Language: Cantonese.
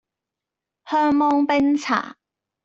香芒冰茶